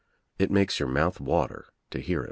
It makes your mouth water to hear him.